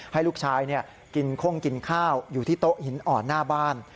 ให้ลูกชายกินข้งกินข้าวอยู่ที่โต๊ะหินอ่อนหน้าบ้าน